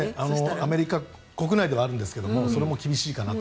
アメリカ国内ではあるんですがそれも厳しいかなと。